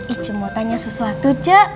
ije mau tanya sesuatu